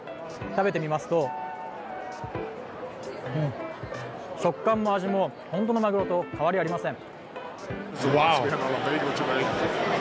食べてみますと、うん、食感も味も本物のまぐろと変わりありません。